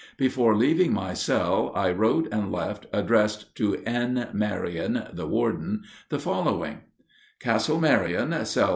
Before leaving my cell I wrote and left, addressed to N. Merion, the warden, the following: CASTLE MERION, CELL NO.